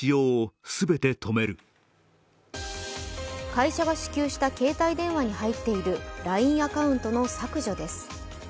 会社が支給した携帯電話に入っているＬＩＮＥアカウントの削除です。